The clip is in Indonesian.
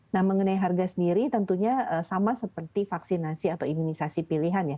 nah mengenai harga sendiri tentunya sama seperti vaksinasi atau imunisasi pilihan ya